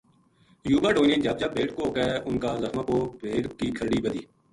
یوبا ڈوئی نے جھب جھب بھیڈ کوہ کے اُنھ کا زخماں پو بھیڈ کی کھرڑی بَدھی